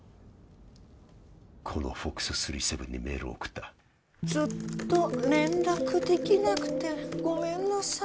この「ｆｏｘ．７７７」にメールを送った「ずっと連絡できなくてごめんなさい」